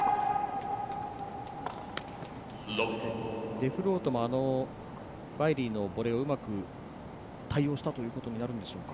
デフロートもワイリーのボレーをうまく対応したということになるんでしょうか。